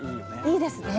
いいですね。